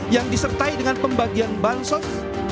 yang disertai dengan pembagian bansos